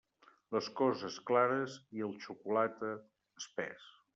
Les coses, clares, i el xocolate, espés.